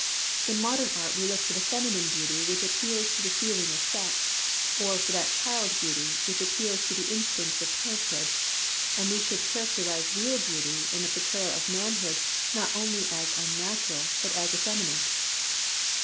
In modern art we look for the feminine beauty which appeals to the feel ing of sex, or for that child beauty which ap peals to the instincts of parenthood ; and we should characterize real beauty in the por trayal of manhood not only as unnatural, but 120 ABOUT FACES IN JAPANESE ART as effeminate.